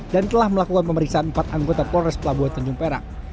dan telah melakukan pemeriksaan empat anggota polres pelabuhan tanjung perak